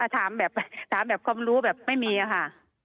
ถามแบบความรู้แบบไม่มีค่ะ